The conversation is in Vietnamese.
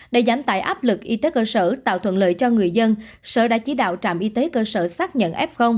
để giảm tải áp lực y tế cơ sở tạo thuận lợi cho người dân sở đã chỉ đạo trạm y tế cơ sở xác nhận f